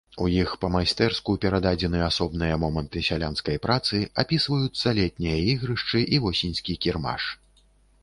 У іх па-майстэрску перададзены асобныя моманты сялянскай працы, апісваюцца летнія ігрышчы і восеньскі кірмаш.